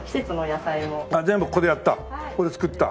全部ここでやった。